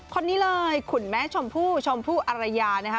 คนนี้เลยคุณแม่ชมพู่ชมพู่อรยานะคะ